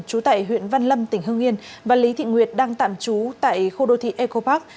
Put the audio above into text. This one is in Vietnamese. trú tại huyện văn lâm tỉnh hưng yên và lý thị nguyệt đang tạm trú tại khu đô thị eco park